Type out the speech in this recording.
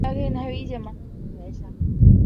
毕业于中央广播电视大学英语专业。